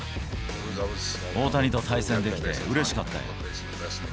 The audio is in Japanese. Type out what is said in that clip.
大谷と対戦できてうれしかったよ。